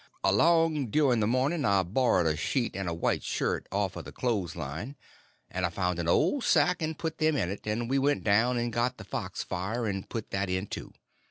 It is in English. Along during the morning I borrowed a sheet and a white shirt off of the clothes line; and I found an old sack and put them in it, and we went down and got the fox fire, and put that in too.